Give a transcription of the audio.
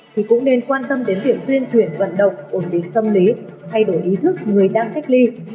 thì cũng nên quan tâm đến việc tuyên truyền vận động ổn định tâm lý thay đổi ý thức người đang cách ly